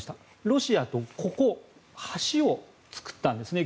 ロシアと橋を作ったんですね。